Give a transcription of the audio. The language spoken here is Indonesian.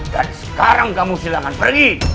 dan sekarang kamu silahkan pergi